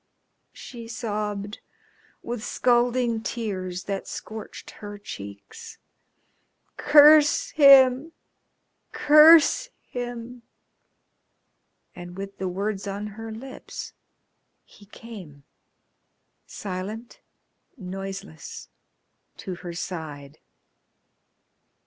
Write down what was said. she sobbed, with scalding tears that scorched her cheeks. "Curse him! Curse him!" And with the words on her lips he came, silent, noiseless, to her side.